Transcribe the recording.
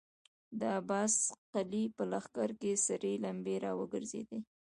د عباس قلي په لښکر کې سرې لمبې را وګرځېدې.